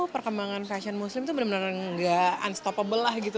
perkembangan fashion muslim itu benar benar tidak berhenti